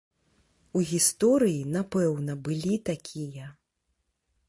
У гісторыі, напэўна, былі такія.